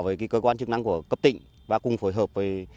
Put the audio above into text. về cơ quan chức năng của cấp tỉnh và cùng phối hợp